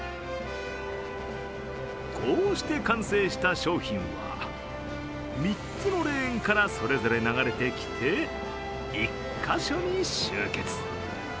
こうして完成した商品は３つのレーンからそれぞれ流れてきて１か所に集結。